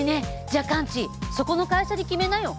じゃあカンチそこの会社に決めなよ。